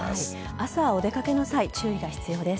朝お出かけの際注意が必要です。